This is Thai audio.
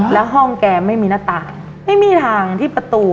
แล้วห้องแกไม่มีหน้าต่างไม่มีทางที่ประตู